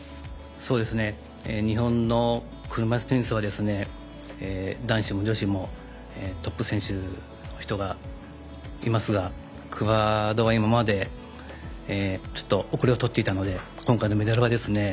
日本の車いすテニスは男子も女子もトップ選手の人がいますがクアードは今までちょっと後れを取っていたので今回のメダルはですね